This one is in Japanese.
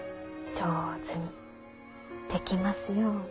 上手にできますように。